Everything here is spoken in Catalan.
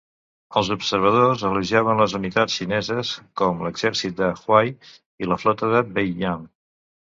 Els observadors elogiaven les unitats xineses com l'exèrcit de Huai i la flota de Beiyang.